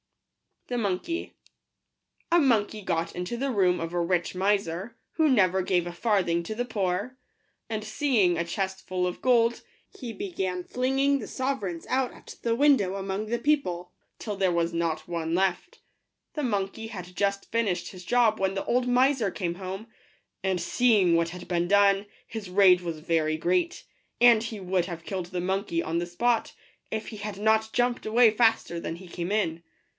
Digitized by Google J E. ®|)e J®tonfceg. ^ MONKEY got into the room of a rich miser, who never gave a farthing to the poor; and seeing a chest full of gold, he began flinging the sovereigns out at the window among the people, till there was not one left. The monkey had just finished his job when the old miser came home ; and seeing what had been done, his rage was very great, and he would have killed the monkey on the spot, if he had not jumped away faster than he came in.